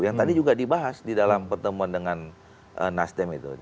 yang tadi juga dibahas di dalam pertemuan dengan nasdem itu